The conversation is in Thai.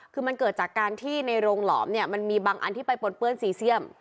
คือมันเกิดจากการที่ในโรงหลอมเนี่ยมันมีบางอันที่ไปปนเปื้อนซีเซียม